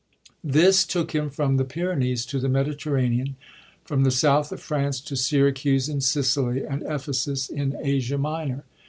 This took him from the Pyrenees to the Mediterranean, from the south of France to Syracuse in Sicily and Ephesus in Asia Minor.